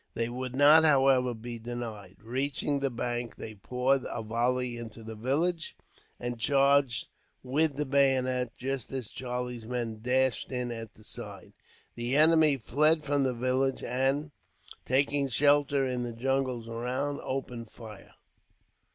They would not, however, be denied. Reaching the bank, they poured a volley into the village, and charged with the bayonet; just as Charlie's men dashed in at the side. The enemy fled from the village and, taking shelter in the jungles around, opened fire.